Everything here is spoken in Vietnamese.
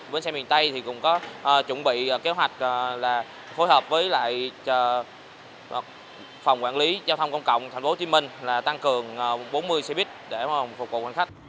bến xe miền tây thì cũng có chuẩn bị kế hoạch là phối hợp với lại phòng quản lý giao thông công cộng tp hcm là tăng cường bốn mươi xe buýt để phục vụ hành khách